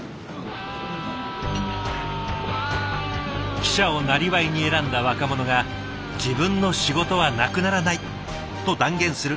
記者をなりわいに選んだ若者が「自分の仕事はなくならない」と断言する。